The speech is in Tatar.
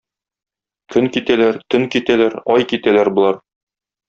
Көн китәләр, төн китәләр, ай китәләр болар.